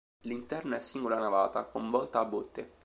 L'interno è a singola navata con volta a botte.